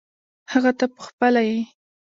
هغه ته پخپله یې .